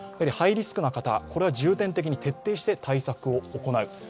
ハイリスクな方は重点的に徹底して対策を行う。